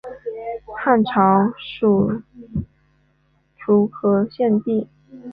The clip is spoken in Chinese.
汉朝属徒河县地。